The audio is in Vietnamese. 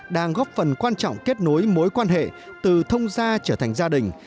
đang góp phần quan trọng kết nối mối quan hệ từ thông gia trở thành gia đình